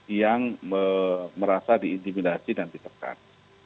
yang merasa diintimidasi dan ditekan